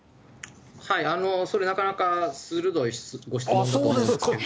それ、なかなか鋭いご質問だと思うんですけど。